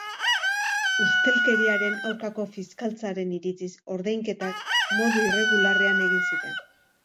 Ustelkeriaren aurkako fiskaltzaren iritziz, ordainketak modu irregularrean egin ziren.